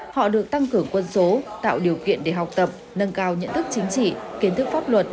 họ được tăng cường quân số tạo điều kiện để học tập nâng cao nhận thức chính trị kiến thức pháp luật